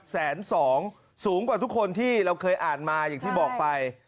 แสนสองสูงกว่าทุกคนที่เราเคยอ่านมาอย่างที่บอกไป